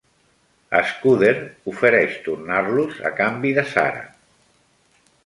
Scudder ofereix tornar-los a canvi de Sarah.